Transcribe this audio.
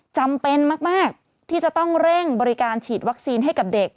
จำเป็นมากที่จะต้องเร่งบริการฉีดวัคซีนให้กับเด็ก